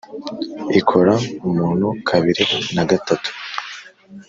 ikora umuntu kabiri na gatatu